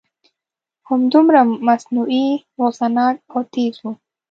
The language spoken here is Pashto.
همدومره مصنوعي غصه ناک او تیز و.